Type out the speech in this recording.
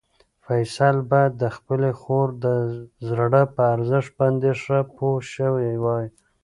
فیصل باید د خپلې خور د زړه په ارزښت باندې ښه پوه شوی وای.